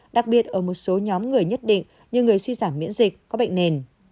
đặc biệt ở một số nhóm người nhất định như người suy giảm miễn dịch có bệnh nền